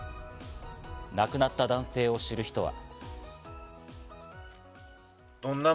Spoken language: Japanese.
亡くなった男性を知る人は。